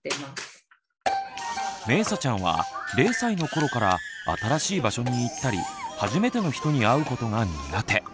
めいさちゃんは０歳の頃から新しい場所に行ったり初めての人に会うことが苦手。